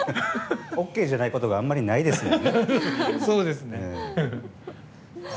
ＯＫじゃないことがあんまりないですもんね。